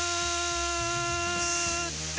って